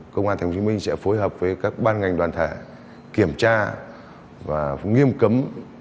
công an tp hcm sẽ phối hợp với các ban ngành đoàn thể kiểm tra và nghiêm cấm